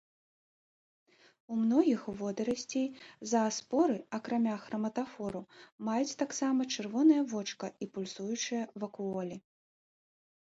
У многіх водарасцей зааспоры, акрамя храматафору, маюць таксама чырвонае вочка і пульсуючыя вакуолі.